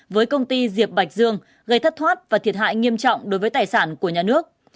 với công ty diệp bạch dương gây thất thoát và thiệt hại nghiêm trọng đối với tài sản của nhà nước